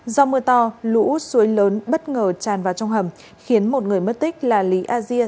do mưa to lũ suối lớn bất ngờ tràn vào trong hầm khiến một người mất tích là lý a diê